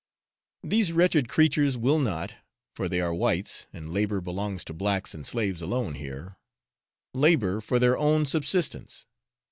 These wretched creatures will not, for they are whites (and labour belongs to blacks and slaves alone here), labour for their own subsistence.